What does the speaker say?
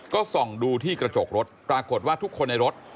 ก็ส่องดูที่กระจกรถปรากฏว่าทุกคนในรถ